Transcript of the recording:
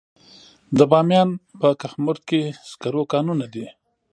د بامیان په کهمرد کې د سکرو کانونه دي.